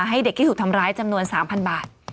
ให้เด็กที่ถูกทำร้ายจำนวน๓๐๐บาท